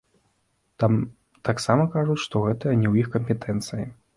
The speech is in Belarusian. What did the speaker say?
Там таксама кажуць, што гэта не ў іх кампетэнцыі.